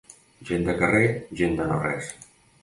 Gent de carrer, gent de no res.